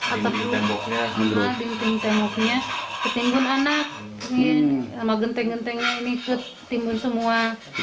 atap temboknya kembun anak sama genteng gentengnya ini kembun semua